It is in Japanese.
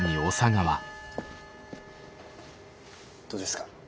どうですか？